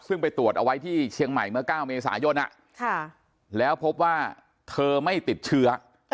ซึ่งไปตรวจเอาไว้ที่เชียงใหม่เมื่อ๙เมษายนแล้วพบว่าเธอไม่ติดเชื้อ